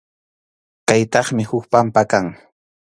Kaypitaqmi huk pampa kan.